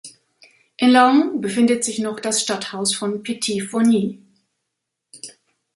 In Laon befindet sich noch das Stadthaus von Petit-Foigny.